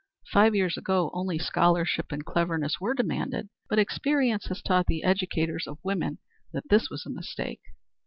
Five years ago only scholarship and cleverness were demanded, but experience has taught the educators of women that this was a mistake."